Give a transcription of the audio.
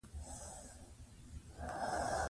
غازیان به پر انګریزانو غالب سوي وي.